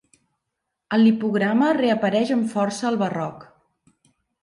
El lipograma reapareix amb força al barroc.